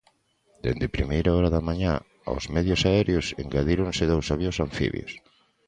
Dende primeira hora da mañá aos medios aéreos engadíronse dous avións anfibios.